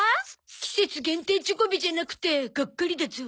季節限定チョコビじゃなくてがっかりだゾ。